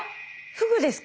フグですか？